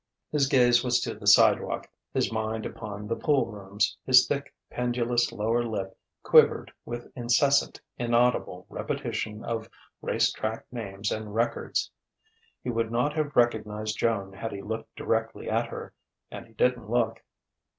His gaze was to the sidewalk, his mind upon the poolrooms, his thick, pendulous lower lip quivered with incessant, inaudible repetition of race track names and records. He would not have recognized Joan had he looked directly at her. And he didn't look.